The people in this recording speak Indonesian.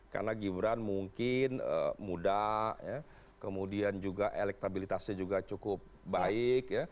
karena gibran mungkin muda kemudian juga elektabilitasnya juga cukup baik